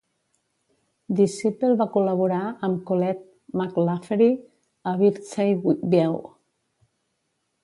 Disciple va col·laborar amb Collette Mclaffery a "Birdseye View".